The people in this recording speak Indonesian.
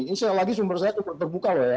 ini saya lagi sumber saya terbuka loh ya